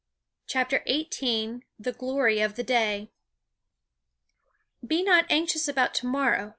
CHAPTER XVIII. THE GLORY OF THE DAY. "Be not anxious about to morrow.